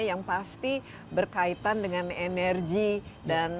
yang pasti berkaitan dengan energi dan